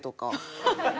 ハハハハ！